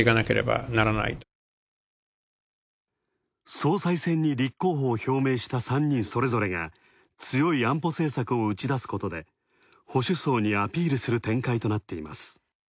総裁選に立候補を表明した３人それぞれが強い安保政策を打ち出すことで保守層にアピールする展開となっています。